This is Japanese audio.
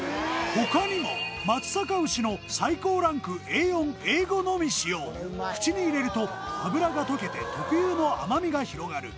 他にも松阪牛の最高ランクＡ４・Ａ５のみ使用口に入れると脂が溶けて特有の甘みが広がる